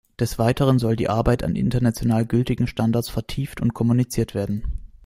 Des Weiteren soll die Arbeit an international gültigen Standards vertieft und kommuniziert werden.